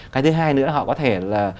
cái thứ hai nữa là họ có thể là